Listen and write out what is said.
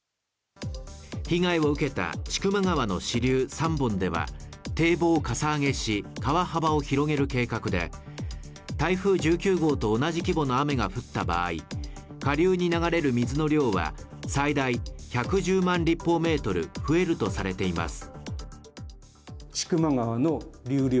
被害を受けた千曲川の支流３本では堤防をかさ上げし川幅を広げる計画で台風１９号と同じ規模の雨が降った場合下流に流れる水の量は最大１１０万立方メートル増えるとされています